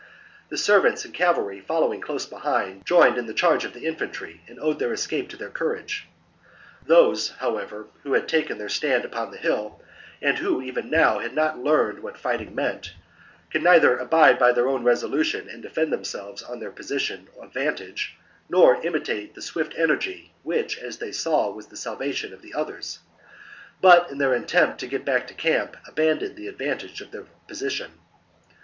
The servants and cavalry, following close behind, joined in the charge of the infantry and owed their escape to their courage. Those, however, who had taken their stand upon the hill, and who even now had not learned what fighting meant, could neither abide by their own resolution and defend them selves on their position of vantage, nor imitate the swift energy which, as they saw, was the salvation of the others, but, in their attempt to get back to camp, abandoned the advantage of their position.